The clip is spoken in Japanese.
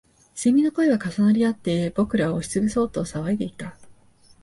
蝉の声は重なりあって、僕らを押しつぶそうと騒いでいた